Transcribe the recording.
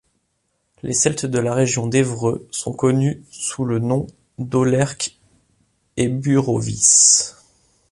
Les Celtes de la région d'Evreux sont connus sous le noms d'Aulerques Eburovices.